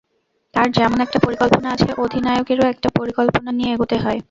তাঁর যেমন একটা পরিকল্পনা আছে, অধিনায়কেরও একটা পরিকল্পনা নিয়ে এগোতে হয়।